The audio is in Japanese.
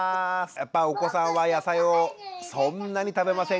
やっぱお子さんは野菜をそんなに食べませんか？